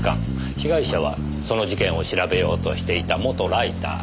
被害者はその事件を調べようとしていた元ライター。